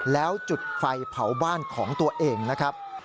แล้วจุดไฟเผาบ้านของตัวเองนะครับ